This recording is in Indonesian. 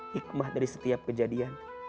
hikmah dari setiap kejadian